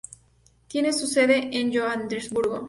Tiene su sede en Johannesburgo.